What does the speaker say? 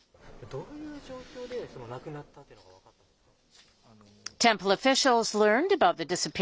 どういう状況でなくなったというのが分かったんですか？